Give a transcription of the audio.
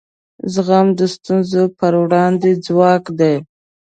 زغم د ستونزو پر وړاندې ځواک دی.